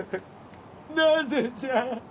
なぜじゃ？